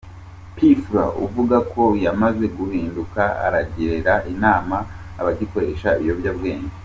P Fla uvuga ko yamaze guhinduka aragira inama abagikoresha ibiyobyabwenge.